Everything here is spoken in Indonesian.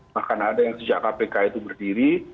bahkan ada yang sejak kpk itu berdiri